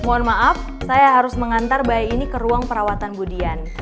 mohon maaf saya harus mengantar bayi ini ke ruang perawatan budian